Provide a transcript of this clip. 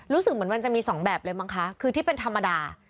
รู้สึกเหมือนมันจะมีสองแบบเลยมั้งคะคือที่เป็นธรรมดา